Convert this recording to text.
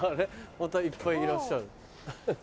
またいっぱいいらっしゃる。